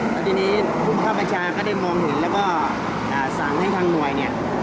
แล้วทีนี้ผู้คับประชาก็ได้มองเห็นแล้วก็สั่งให้ทางหน่วยเนี่ย